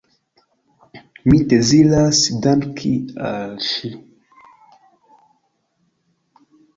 Mi deziras danki al ŝi.